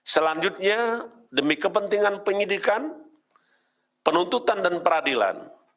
selanjutnya demi kepentingan penyidikan penuntutan dan peradilan